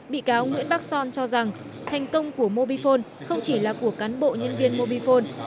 bị cáo nguyễn bắc son cho rằng thành công của mobifone không chỉ là của cán bộ nhân viên mobifone